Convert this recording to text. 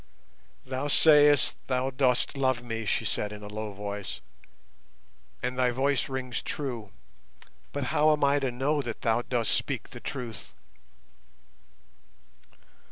"Thou sayest thou dost love me," she said in a low voice, "and thy voice rings true, but how am I to know that thou dost speak the truth?"